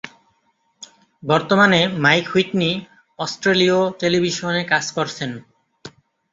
বর্তমানে Mike Whitney অস্ট্রেলীয় টেলিভিশনে কাজ করছেন।